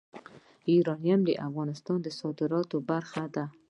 یورانیم د افغانستان د صادراتو برخه ده.